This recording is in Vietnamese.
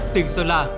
tỉnh sơn la